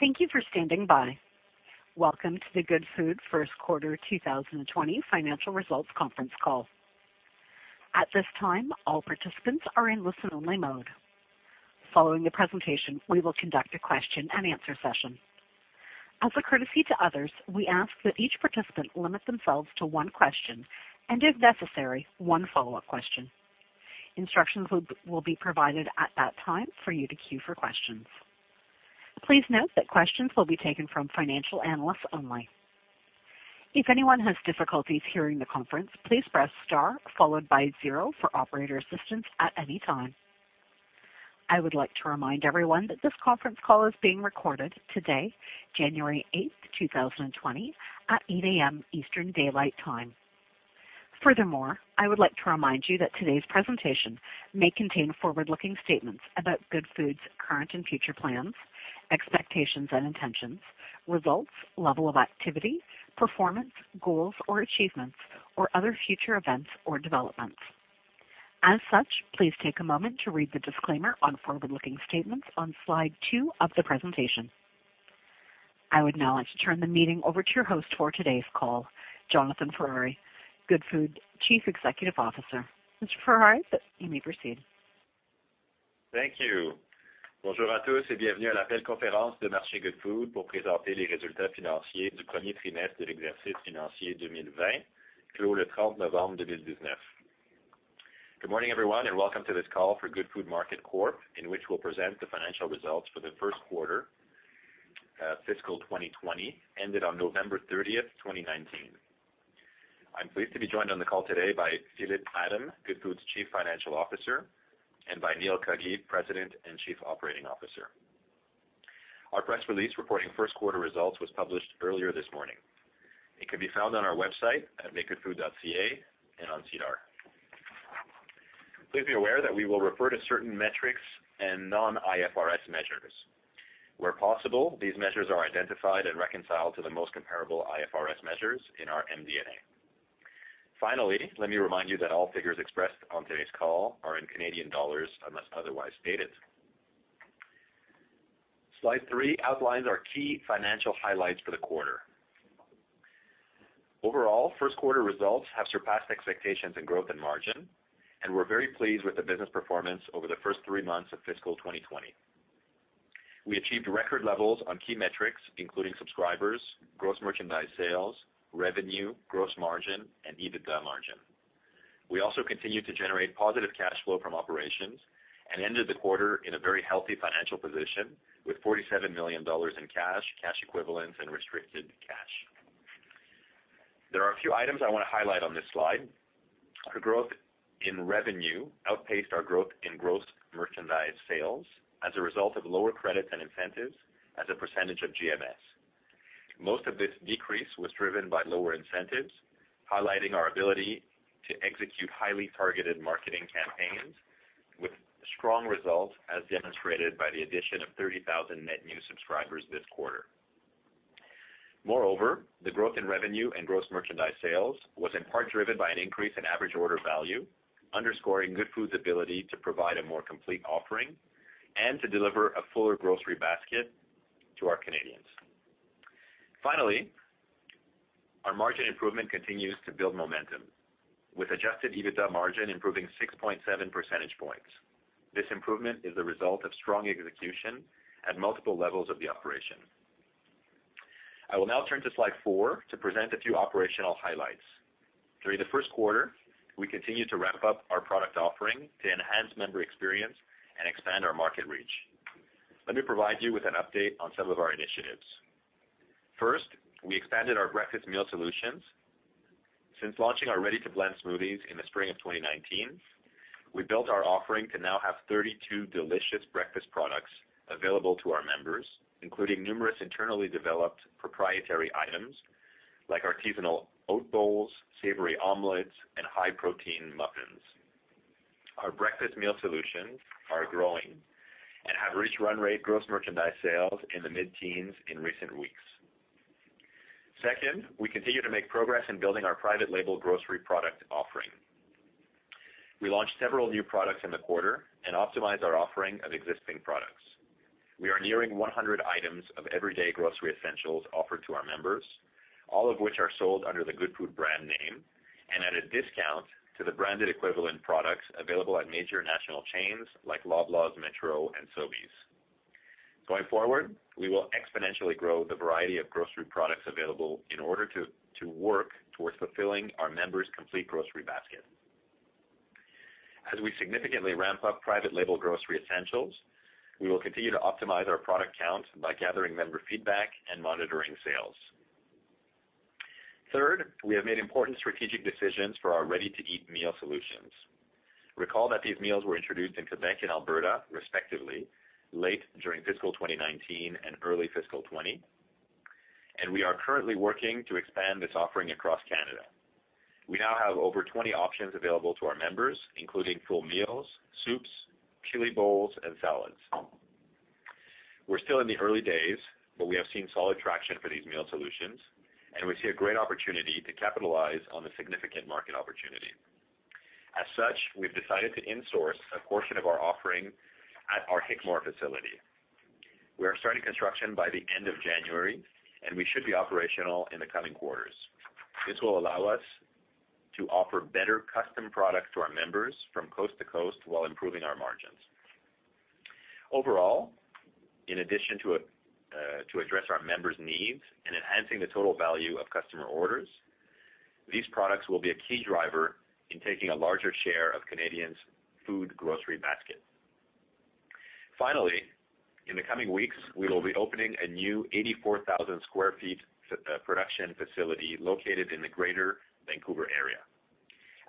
Thank you for standing by. Welcome to the Goodfood first quarter 2020 financial results conference call. At this time, all participants are in listen-only mode. Following the presentation, we will conduct a question and answer session. As a courtesy to others, we ask that each participant limit themselves to one question and, if necessary, one follow-up question. Instructions will be provided at that time for you to queue for questions. Please note that questions will be taken from financial analysts only. If anyone has difficulties hearing the conference, please press star followed by zero for operator assistance at any time. I would like to remind everyone that this conference call is being recorded today, January 8th, 2020, at 8:00 AM Eastern Daylight Time. Furthermore, I would like to remind you that today's presentation may contain forward-looking statements about Goodfood's current and future plans, expectations and intentions, results, level of activity, performance, goals or achievements, or other future events or developments. As such, please take a moment to read the disclaimer on forward-looking statements on slide two of the presentation. I would now like to turn the meeting over to your host for today's call, Jonathan Ferrari, Goodfood's Chief Executive Officer. Mr. Ferrari, you may proceed. Thank you. Good morning, everyone, and welcome to this call for Goodfood Market Corp, in which we'll present the financial results for the first quarter, fiscal 2020, ended on November 30th, 2019. I'm pleased to be joined on the call today by Philippe Adam, Goodfood's Chief Financial Officer, and by Neil Cuggy, President and Chief Operating Officer. Our press release reporting first quarter results was published earlier this morning. It can be found on our website at makegoodfood.ca and on SEDAR. Please be aware that we will refer to certain metrics and non-IFRS measures. Where possible, these measures are identified and reconciled to the most comparable IFRS measures in our MD&A. Finally, let me remind you that all figures expressed on today's call are in Canadian dollars unless otherwise stated. Slide three outlines our key financial highlights for the quarter. Overall, first quarter results have surpassed expectations in growth and margin, and we're very pleased with the business performance over the first three months of fiscal 2020. We achieved record levels on key metrics, including subscribers, gross merchandise sales, revenue, gross margin, and EBITDA margin. We also continue to generate positive cash flow from operations and ended the quarter in a very healthy financial position with 47 million dollars in cash equivalents, and restricted cash. There are a few items I want to highlight on this slide. Our growth in revenue outpaced our growth in gross merchandise sales as a result of lower credits and incentives as a percentage of GMS. Most of this decrease was driven by lower incentives, highlighting our ability to execute highly targeted marketing campaigns with strong results, as demonstrated by the addition of 30,000 net new subscribers this quarter. Moreover, the growth in revenue and gross merchandise sales was in part driven by an increase in average order value, underscoring Goodfood's ability to provide a more complete offering and to deliver a fuller grocery basket to our Canadians. Finally, our margin improvement continues to build momentum, with adjusted EBITDA margin improving 6.7 percentage points. This improvement is the result of strong execution at multiple levels of the operation. I will now turn to slide four to present a few operational highlights. During the first quarter, we continued to ramp up our product offering to enhance member experience and expand our market reach. Let me provide you with an update on some of our initiatives. First, we expanded our breakfast meal solutions. Since launching our ready-to-blend smoothies in the spring of 2019, we built our offering to now have 32 delicious breakfast products available to our members, including numerous internally developed proprietary items like artisanal oat bowls, savory omelets, and high-protein muffins. Our breakfast meal solutions are growing and have reached run rate gross merchandise sales in the mid-teens in recent weeks. Second, we continue to make progress in building our private label grocery product offering. We launched several new products in the quarter and optimized our offering of existing products. We are nearing 100 items of everyday grocery essentials offered to our members, all of which are sold under the Goodfood brand name and at a discount to the branded equivalent products available at major national chains like Loblaws, Metro, and Sobeys. Going forward, we will exponentially grow the variety of grocery products available in order to work towards fulfilling our members' complete grocery basket. As we significantly ramp up private label grocery essentials, we will continue to optimize our product count by gathering member feedback and monitoring sales. Third, we have made important strategic decisions for our ready-to-eat meal solutions. Recall that these meals were introduced in Quebec and Alberta, respectively, late during fiscal 2019 and early fiscal 2020, and we are currently working to expand this offering across Canada. We now have over 20 options available to our members, including full meals, soups, chili bowls, and salads. We're still in the early days, but we have seen solid traction for these meal solutions, and we see a great opportunity to capitalize on the significant market opportunity. As such, we've decided to insource a portion of our offering at our Hickmore facility. We are starting construction by the end of January, and we should be operational in the coming quarters. This will allow us to offer better custom products to our members from coast to coast while improving our margins. Overall, in addition to address our members' needs and enhancing the total value of customer orders, these products will be a key driver in taking a larger share of Canadians' food grocery basket. Finally, in the coming weeks, we will be opening a new 84,000 sq ft production facility located in the Greater Vancouver area.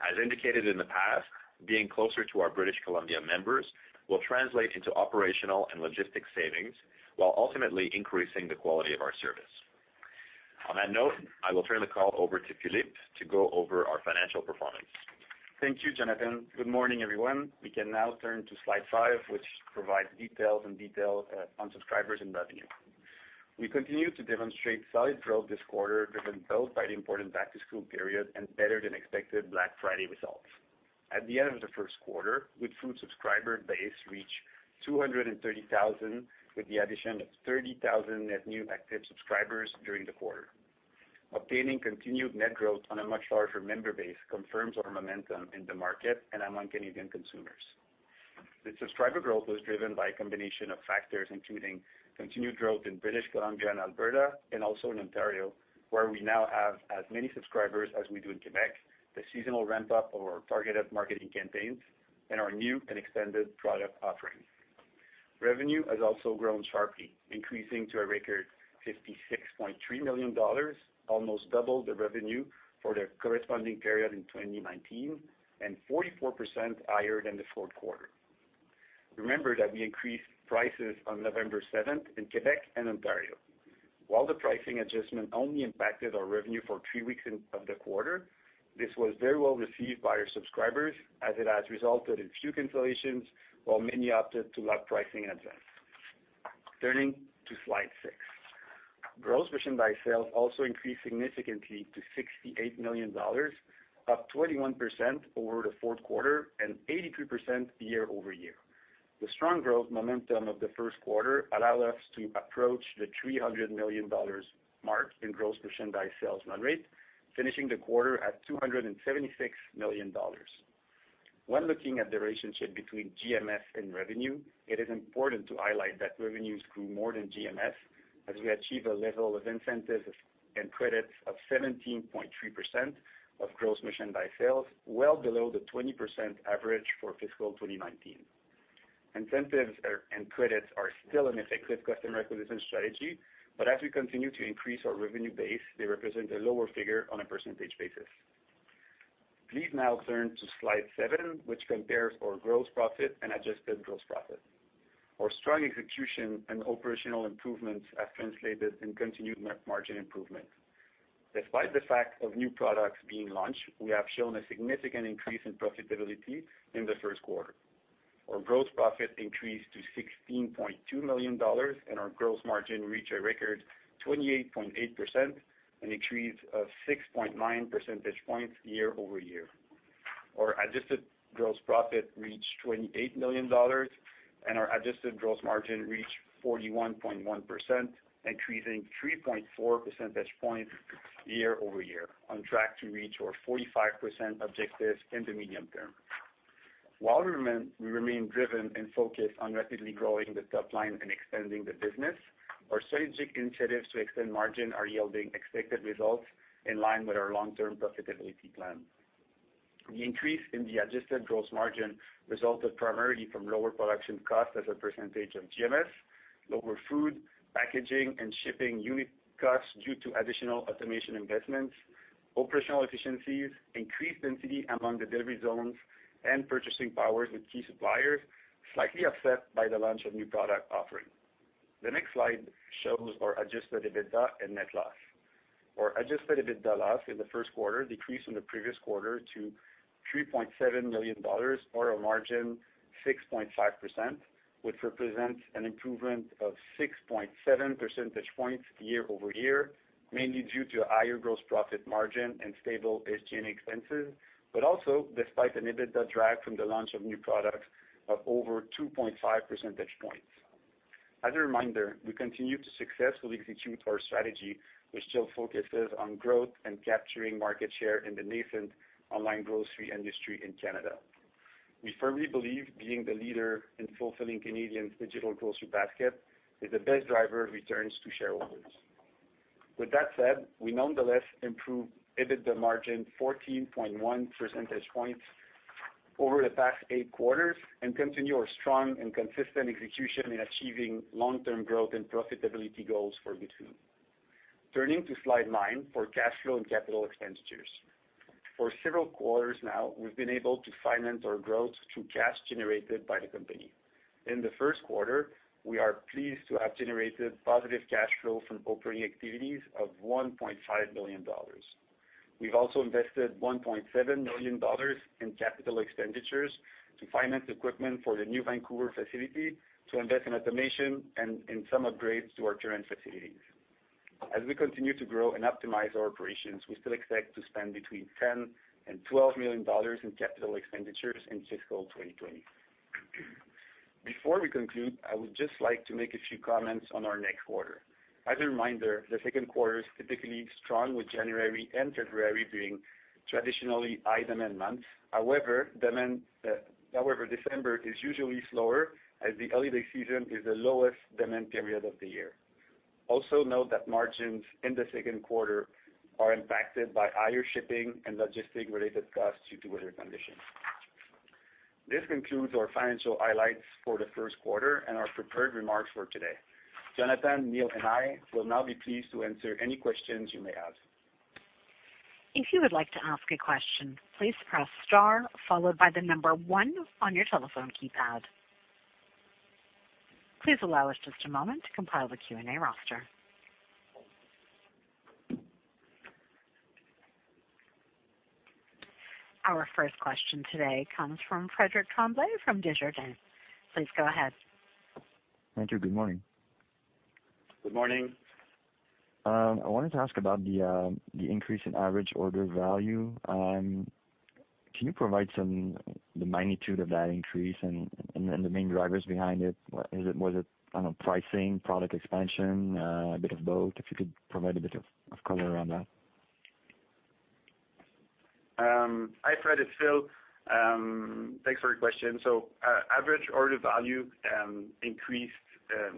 As indicated in the past, being closer to our British Columbia members will translate into operational and logistic savings while ultimately increasing the quality of our service. On that note, I will turn the call over to Philippe to go over our financial performance. Thank you, Jonathan. Good morning, everyone. We can now turn to slide five, which provides details on subscribers and revenue. We continue to demonstrate solid growth this quarter, driven both by the important back-to-school period and better than expected Black Friday results. At the end of the first quarter, Goodfood subscriber base reach 230,000, with the addition of 30,000 net new active subscribers during the quarter. Obtaining continued net growth on a much larger member base confirms our momentum in the market and among Canadian consumers. The subscriber growth was driven by a combination of factors, including continued growth in British Columbia and Alberta, and also in Ontario, where we now have as many subscribers as we do in Quebec, the seasonal ramp-up of our targeted marketing campaigns, and our new and extended product offerings. Revenue has also grown sharply, increasing to a record 56.3 million dollars, almost double the revenue for the corresponding period in 2019 and 44% higher than the fourth quarter. Remember that we increased prices on November 7th in Quebec and Ontario. While the pricing adjustment only impacted our revenue for three weeks of the quarter, this was very well received by our subscribers as it has resulted in few cancellations while many opted to lock pricing in advance. Turning to slide six. Gross merchandise sales also increased significantly to 68 million dollars, up 21% over the fourth quarter and 83% year-over-year. The strong growth momentum of the first quarter allow us to approach the 300 million dollars mark in gross merchandise sales run rate, finishing the quarter at 276 million dollars. When looking at the relationship between GMS and revenue, it is important to highlight that revenues grew more than GMS as we achieve a level of incentives and credits of 17.3% of gross merchandise sales, well below the 20% average for fiscal 2019. Incentives and credits are still an effective customer acquisition strategy, as we continue to increase our revenue base, they represent a lower figure on a percentage basis. Please now turn to slide seven, which compares our gross profit and adjusted gross profit. Our strong execution and operational improvements have translated in continued margin improvement. Despite the fact of new products being launched, we have shown a significant increase in profitability in the first quarter. Our gross profit increased to 16.2 million dollars, and our gross margin reached a record 28.8% and increase of 6.9 percentage points year-over-year. Our adjusted gross profit reached 28 million dollars, and our adjusted gross margin reached 41.1%, increasing 3.4 percentage points year-over-year, on track to reach our 45% objectives in the medium term. While we remain driven and focused on rapidly growing the top line and expanding the business, our strategic initiatives to extend margin are yielding expected results in line with our long-term profitability plan. The increase in the adjusted gross margin resulted primarily from lower production costs as a percentage of GMS, lower food, packaging, and shipping unit costs due to additional automation investments, operational efficiencies, increased density among the delivery zones, and purchasing powers with key suppliers, slightly offset by the launch of new product offering. The next slide shows our adjusted EBITDA and net loss. Our adjusted EBITDA loss in the first quarter decreased from the previous quarter to 3.7 million dollars, or a margin 6.5%, which represents an improvement of 6.7 percentage points year-over-year, mainly due to higher gross profit margin and stable SG&A expenses, but also despite an EBITDA drag from the launch of new products of over 2.5 percentage points. As a reminder, we continue to successfully execute our strategy, which still focuses on growth and capturing market share in the nascent online grocery industry in Canada. We firmly believe being the leader in fulfilling Canadians' digital grocery basket is the best driver of returns to shareholders. With that said, we nonetheless improved EBITDA margin 14.1 percentage points over the past eight quarters and continue our strong and consistent execution in achieving long-term growth and profitability goals for Goodfood. Turning to slide nine for cash flow and capital expenditures. For several quarters now, we've been able to finance our growth through cash generated by the company. In the first quarter, we are pleased to have generated positive cash flow from operating activities of 1.5 million dollars. We've also invested 1.7 million dollars in capital expenditures to finance equipment for the new Vancouver facility to invest in automation and in some upgrades to our current facilities. As we continue to grow and optimize our operations, we still expect to spend between 10 million and 12 million dollars in capital expenditures in fiscal 2020. Before we conclude, I would just like to make a few comments on our next quarter. As a reminder, the second quarter is typically strong, with January and February being traditionally high-demand months. However, December is usually slower, as the holiday season is the lowest demand period of the year. Also note that margins in the second quarter are impacted by higher shipping and logistics-related costs due to weather conditions. This concludes our financial highlights for the first quarter and our prepared remarks for today. Jonathan, Neil, and I will now be pleased to answer any questions you may have. If you would like to ask a question, please press star followed by the number 1 on your telephone keypad. Please allow us just a moment to compile the Q&A roster. Our first question today comes from Frederic Tremblay from Desjardins. Please go ahead. Thank you. Good morning. Good morning. I wanted to ask about the increase in average order value. Can you provide the magnitude of that increase and the main drivers behind it? Was it pricing, product expansion, a bit of both? If you could provide a bit of color around that. Hi, Fred, it's Phil. Thanks for your question. Average order value increased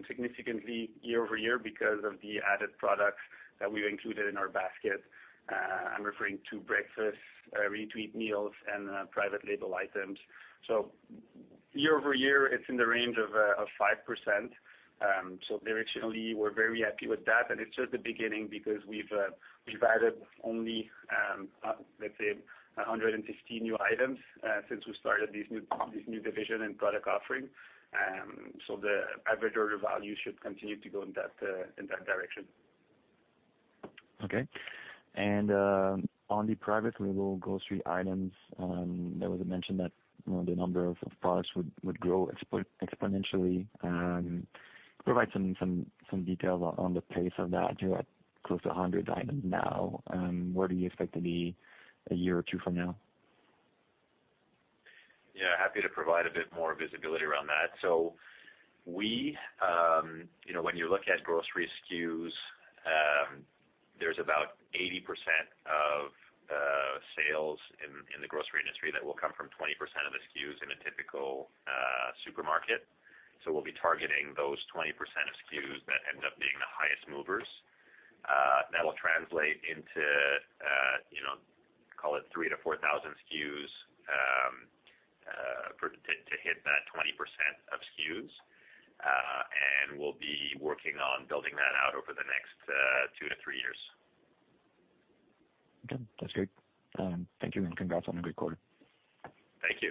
significantly year-over-year because of the added products that we've included in our basket. I'm referring to breakfast, ready-to-eat meals, and private label items. Year-over-year, it's in the range of 5%. Directionally, we're very happy with that, and it's just the beginning because we've added only, let's say, 150 new items since we started this new division and product offering. The average order value should continue to go in that direction. Okay. On the private label grocery items, there was a mention that the number of products would grow exponentially. Provide some details on the pace of that. You're at close to 100 items now. Where do you expect to be a year or two from now? Yeah, happy to provide a bit more visibility around that. When you look at grocery SKUs, there's about 80% of sales in the grocery industry that will come from 20% of SKUs in a typical supermarket. That will translate into, call it 3,000 SKUs-4,000 SKUs to hit that 20% of SKUs. We'll be working on building that out over the next two to three years. Okay. That's great. Thank you, and congrats on a great quarter. Thank you.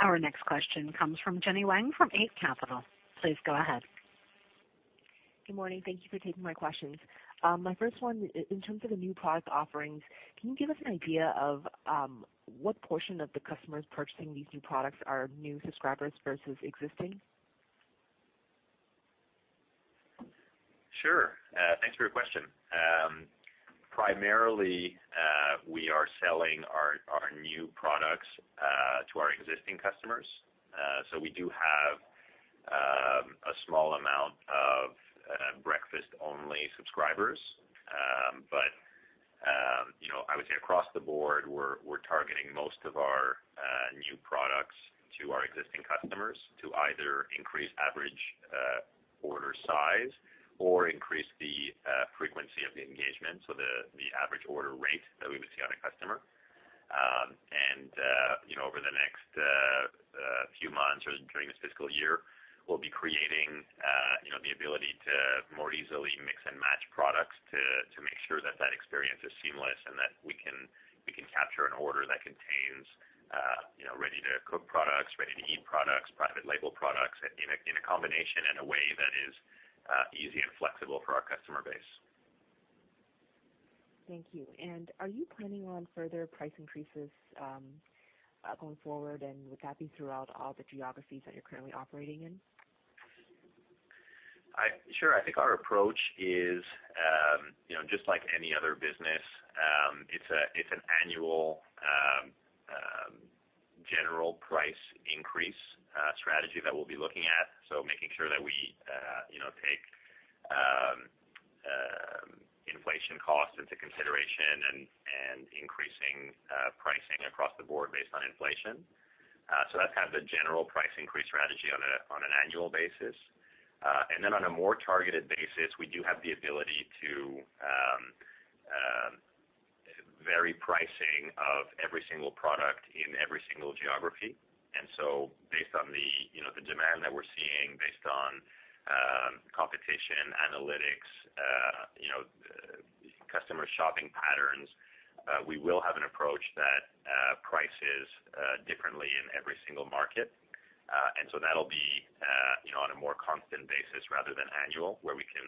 Our next question comes from Jenny Wang from Eight Capital. Please go ahead. Good morning. Thank you for taking my questions. My first one, in terms of the new product offerings, can you give us an idea of what portion of the customers purchasing these new products are new subscribers versus existing? Sure. Thanks for your question. Primarily, we are selling our new products to our existing customers. We do have a small amount of breakfast-only subscribers. I would say across the board, we're targeting most of our new products to our existing customers to either increase average order size or increase the frequency of the engagement, so the average order rate that we would see on a customer. Over the next few months or during this fiscal year, we'll be creating the ability to more easily mix and match products to make sure that that experience is seamless and that we can capture an order that contains ready-to-cook products, ready-to-eat products, private label products in a combination in a way that is easy and flexible for our customer base. Thank you. Are you planning on further price increases going forward, and would that be throughout all the geographies that you're currently operating in? Sure. I think our approach is just like any other business. It's an annual general price increase strategy that we'll be looking at, so making sure that we take inflation cost into consideration and increasing pricing across the board based on inflation. That's the general price increase strategy on an annual basis. On a more targeted basis, we do have the ability to vary pricing of every single product in every single geography. Based on the demand that we're seeing, based on competition, analytics, customer shopping patterns, we will have an approach that prices differently in every single market. That'll be on a more constant basis rather than annual, where we can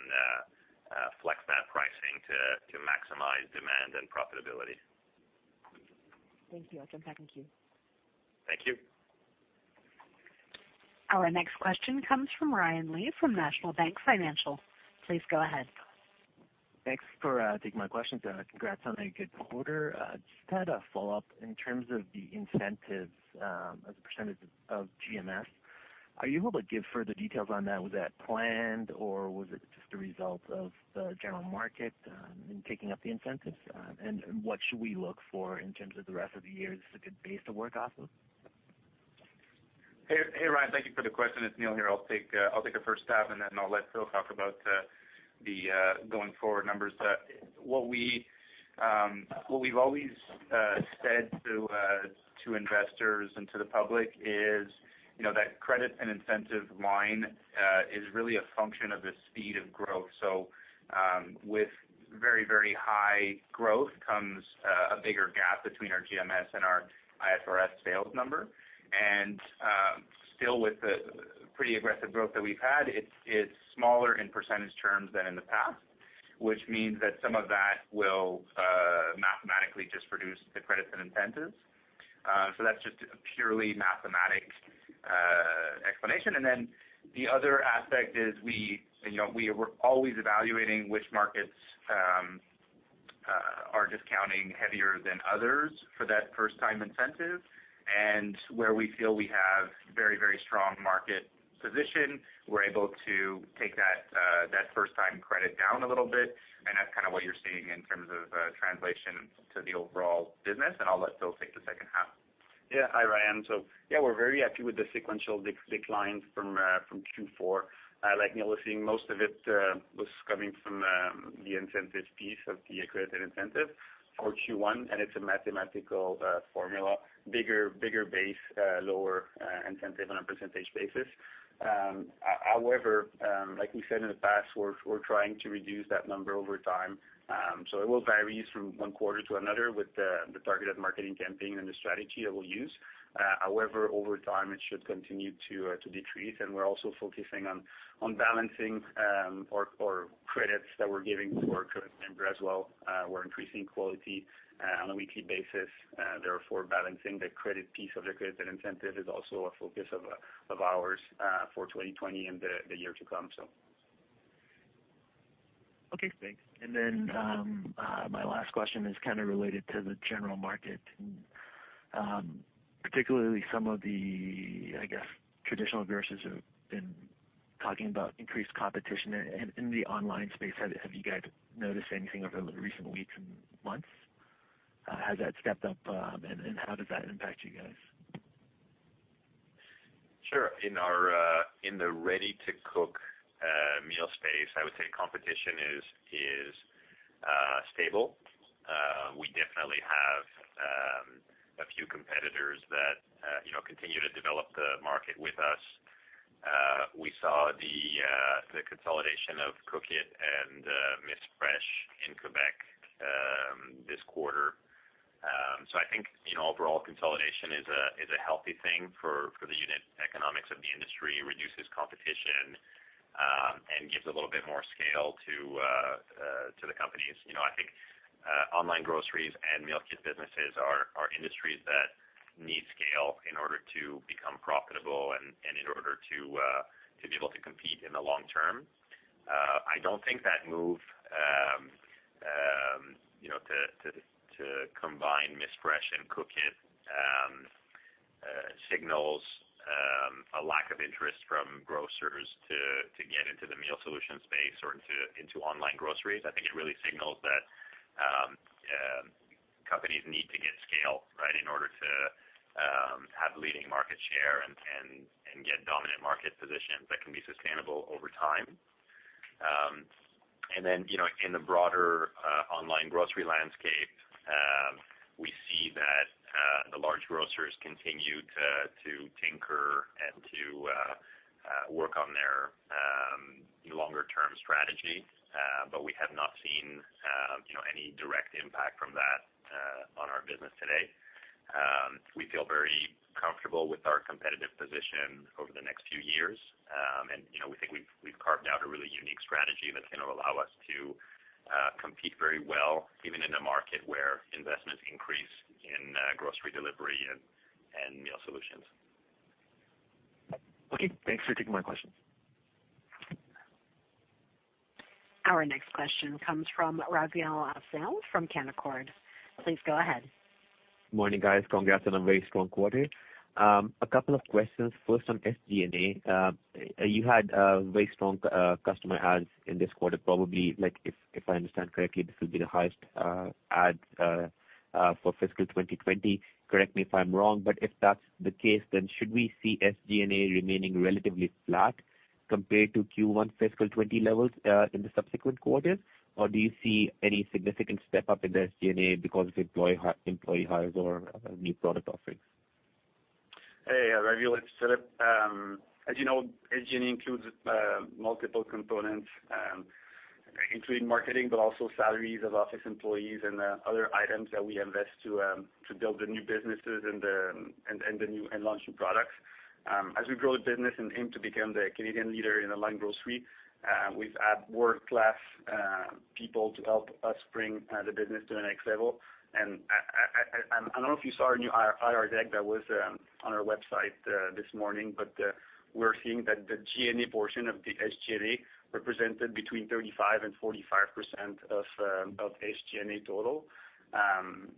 flex that pricing to maximize demand and profitability. Thank you. That's unpacking queued. Thank you. Our next question comes from Ryan Lee from National Bank Financial. Please go ahead. Thanks for taking my questions. Congrats on a good quarter. Just had a follow-up in terms of the incentives as a % of GMS. Are you able to give further details on that? Was that planned, or was it just a result of the general market in taking up the incentives? What should we look for in terms of the rest of the year? Is this a good base to work off of? Hey, Ryan. Thank you for the question. It's Neil here. I'll take the first stab, and then I'll let Phil talk about the going-forward numbers. What we've always said to investors and to the public is that credit and incentive line is really a function of the speed of growth. With very high growth comes a bigger gap between our GMS and our IFRS sales number. Still with the pretty aggressive growth that we've had, it's smaller in percentage terms than in the past, which means that some of that will mathematically just produce the credits and incentives. That's just a purely mathematic explanation. The other aspect is we're always evaluating which markets are discounting heavier than others for that first-time incentive, and where we feel we have very strong market position, we're able to take that first-time credit down a little bit, and that's kind of what you're seeing in terms of translation to the overall business. I'll let Phil take the second half. Hi, Ryan. We're very happy with the sequential declines from Q4. Like Neil was saying, most of it was coming from the incentives piece of the accrued incentive for Q1, and it's a mathematical formula, bigger base, lower incentive on a percentage basis. However, like we said in the past, we're trying to reduce that number over time. It will vary from one quarter to another with the targeted marketing campaign and the strategy that we'll use. However, over time, it should continue to decrease, and we're also focusing on balancing our credits that we're giving to our current members as well. We're increasing quality on a weekly basis. Therefore, balancing the credit piece of the credit and incentive is also a focus of ours for 2020 and the year to come. Okay, thanks. My last question is kind of related to the general market. Particularly some of the, I guess, traditional grocers have been talking about increased competition in the online space. Have you guys noticed anything over the recent weeks and months? Has that stepped up, and how does that impact you guys? Sure. In the ready-to-cook meal space, I would say competition is stable. We definitely have a few competitors that continue to develop the market with us. We saw the consolidation of Cook it and MissFresh in Quebec this quarter. I think overall consolidation is a healthy thing for the unit economics of the industry. It reduces competition and gives a little bit more scale to the companies. I think online groceries and meal kit businesses are industries that need scale in order to become profitable and in order to be able to compete in the long term. I don't think that move to combine MissFresh and Cook it signals a lack of interest from grocers to get into the meal solution space or into online groceries. I think it really signals that companies need to get scale in order to have leading market share and get dominant market positions that can be sustainable over time. In the broader online grocery landscape, we see that the large grocers continue to tinker and to work on their longer-term strategy. We have not seen any direct impact from that on our business today. We feel very comfortable with our competitive position over the next few years, and we think we've carved out a really unique strategy that's going to allow us to compete very well, even in a market where investments increase in grocery delivery and meal solutions. Okay. Thanks for taking my question. Our next question comes from Raveel Afzaal from Canaccord. Please go ahead. Morning, guys. Congrats on a very strong quarter. A couple of questions. First, on SG&A. You had very strong customer adds in this quarter, probably, if I understand correctly, this will be the highest adds for fiscal 2020. Correct me if I'm wrong, if that's the case, then should we see SG&A remaining relatively flat compared to Q1 fiscal 2020 levels in the subsequent quarters? Do you see any significant step up in the SG&A because of employee hires or new product offerings? Hey, Raveel. It's Philippe. As you know, SG&A includes multiple components, including marketing, but also salaries of office employees and other items that we invest to build the new businesses and launch new products. As we grow the business and aim to become the Canadian leader in online grocery, we've added world-class people to help us bring the business to the next level. I don't know if you saw our new IR deck that was on our website this morning, but we're seeing that the G&A portion of the SG&A represented between 35% and 45% of SG&A total.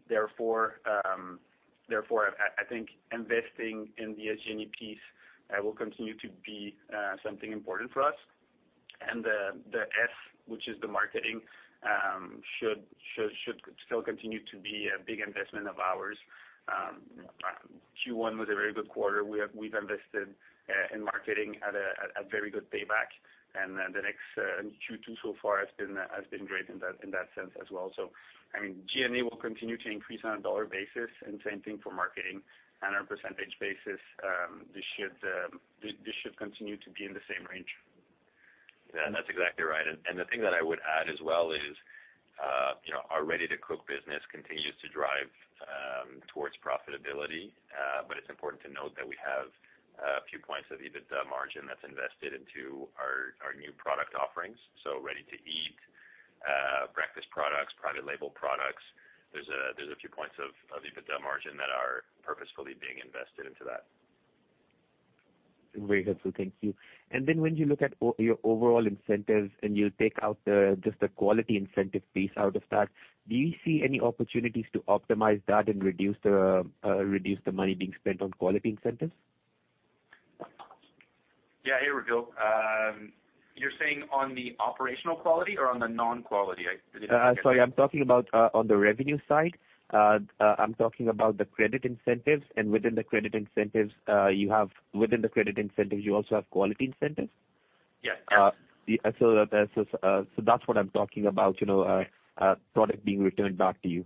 Therefore, I think investing in the SG&A piece will continue to be something important for us. The S, which is the marketing, should still continue to be a big investment of ours. Q1 was a very good quarter. We've invested in marketing at a very good payback. The next Q2 so far has been great in that sense as well. G&A will continue to increase on a dollar basis and same thing for marketing. On a percentage basis, this should continue to be in the same range. Yeah, that's exactly right. The thing that I would add as well is our Ready to Cook business continues to drive towards profitability. It's important to note that we have a few points of EBITDA margin that's invested into our new product offerings. Ready to Eat, breakfast products, private label products, there's a few points of EBITDA margin that are purposefully being invested into that. Very helpful. Thank you. When you look at your overall incentives and you take out just the quality incentive piece out of that, do you see any opportunities to optimize that and reduce the money being spent on quality incentives? Yeah. Hey, Raveel. You're saying on the operational quality or on the non-quality? Sorry, I'm talking about on the revenue side. I'm talking about the credit incentives and within the credit incentives you also have quality incentives. Yeah. That's what I'm talking about, a product being returned back to you.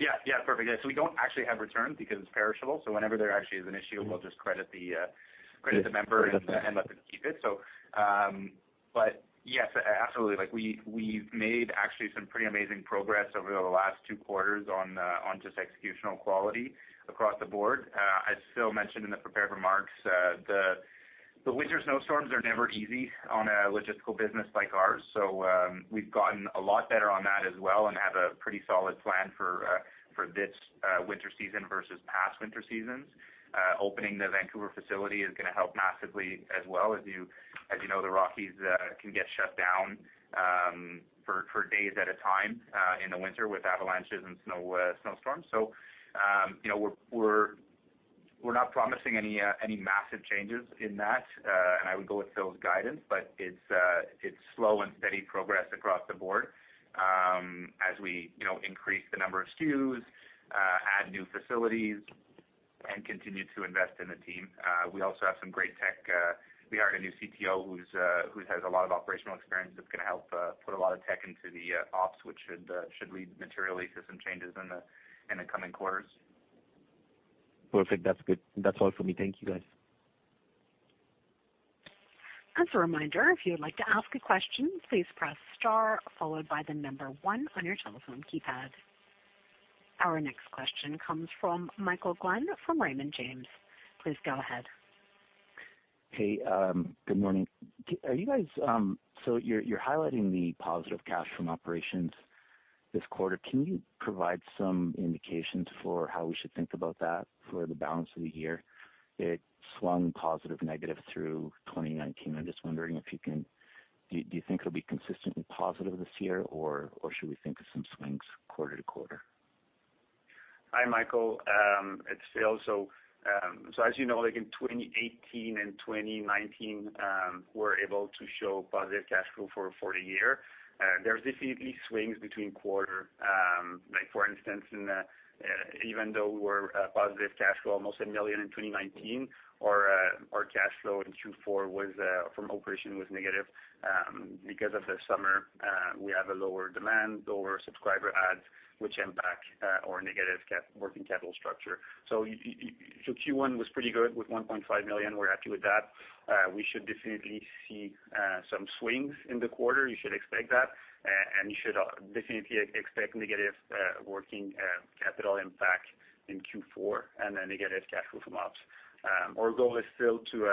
We don't actually have returns because it's perishable. Whenever there actually is an issue, we'll just credit the member and let them keep it. Yes, absolutely. We've made actually some pretty amazing progress over the last two quarters on just executional quality across the board. As Phil mentioned in the prepared remarks, the winter snowstorms are never easy on a logistical business like ours. We've gotten a lot better on that as well and have a pretty solid plan for this winter season versus past winter seasons. Opening the Vancouver facility is going to help massively as well. As you know, the Rockies can get shut down for days at a time in the winter with avalanches and snowstorms. We're not promising any massive changes in that. I would go with Phil's guidance, but it's slow and steady progress across the board as we increase the number of SKUs, add new facilities, and continue to invest in the team. We also have some great tech. We hired a new CTO who has a lot of operational experience that's going to help put a lot of tech into the ops, which should lead materially to some changes in the coming quarters. Perfect. That's good. That's all for me. Thank you, guys. As a reminder, if you would like to ask a question, please press star followed by the number one on your telephone keypad. Our next question comes from Michael Glen from Raymond James. Please go ahead. Hey, good morning. You're highlighting the positive cash from operations this quarter. Can you provide some indications for how we should think about that for the balance of the year? It swung positive, negative through 2019. I'm just wondering, do you think it'll be consistently positive this year, or should we think of some swings quarter to quarter? Hi, Michael. It's Phil. As you know, like in 2018 and 2019, we're able to show positive cash flow for the year. There's definitely swings between quarter. Like for instance, even though we were positive cash flow, almost 1 million in 2019, our cash flow in Q4 from operations was negative. Because of the summer, we have a lower demand, lower subscriber adds, which impact our negative working capital structure. Q1 was pretty good with 1.5 million. We're happy with that. We should definitely see some swings in the quarter. You should expect that. You should definitely expect negative working capital impact in Q4 and a negative cash flow from ops. Our goal is still to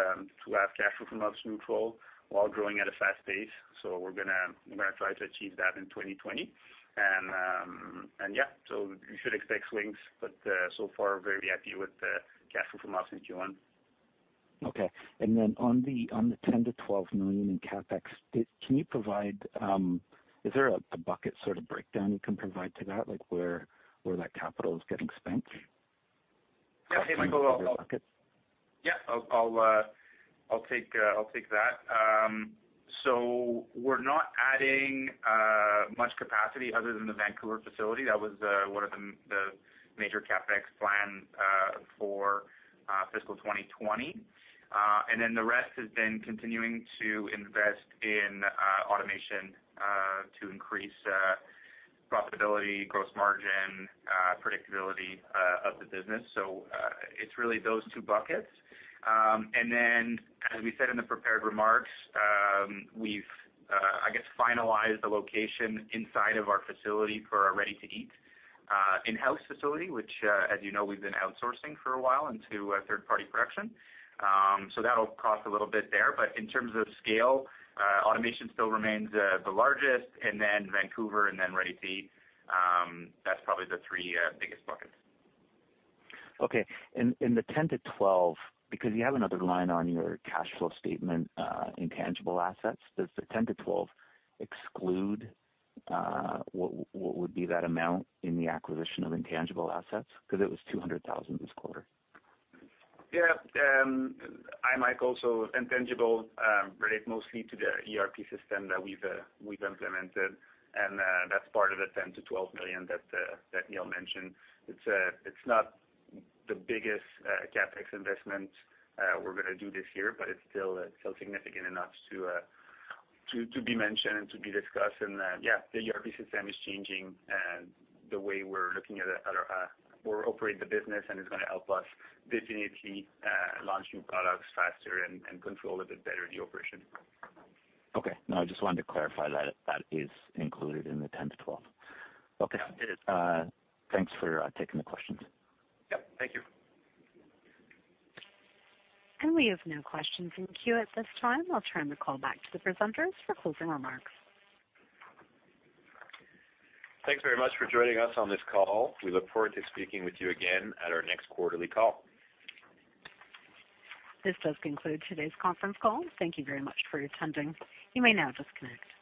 have cash flow from ops neutral while growing at a fast pace. We're going to try to achieve that in 2020. Yeah, you should expect swings, but so far, very happy with the cash flow from ops in Q1. Okay. On the CAD 10 million-CAD 12 million in CapEx, is there a bucket sort of breakdown you can provide to that, like where that capital is getting spent? Yeah. Hey, Michael. Yeah, I'll take that. We're not adding much capacity other than the Vancouver facility. That was one of the major CapEx plans for fiscal 2020. The rest has been continuing to invest in automation to increase profitability, gross margin, predictability of the business. It's really those two buckets. As we said in the prepared remarks, we've, I guess, finalized the location inside of our facility for our Ready to Eat in-house facility, which, as you know, we've been outsourcing for a while into a third party production. That'll cost a little bit there, but in terms of scale, automation still remains the largest and then Vancouver and then Ready to Eat. That's probably the three biggest buckets. Okay. In the 10-12, because you have another line on your cash flow statement, intangible assets, does the 10-12 exclude what would be that amount in the acquisition of intangible assets? It was 200,000 this quarter. Yeah. Hi, Michael. Intangible relate mostly to the ERP system that we've implemented, and that's part of the 10 million-12 million that Neil mentioned. It's not the biggest CapEx investment we're going to do this year, but it's still significant enough to be mentioned and to be discussed. Yeah, the ERP system is changing the way we operate the business, and it's going to help us definitely launch new products faster and control a bit better the operation. Okay. No, I just wanted to clarify that that is included in the 10-12. Okay. Yeah, it is. Thanks for taking the questions. Yeah. Thank you. We have no questions in queue at this time. I'll turn the call back to the presenters for closing remarks. Thanks very much for joining us on this call. We look forward to speaking with you again at our next quarterly call. This does conclude today's conference call. Thank you very much for attending. You may now disconnect.